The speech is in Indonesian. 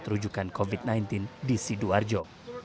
terujukan covid sembilan belas di sidoarjo